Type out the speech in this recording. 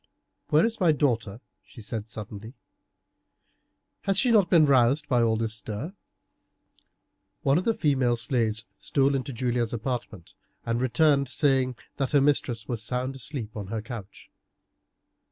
"Where is my daughter?" she said suddenly; "has she not been roused by all this stir?" One of the female slaves stole into Julia's apartment, and returned saying that her mistress was sound asleep on her couch.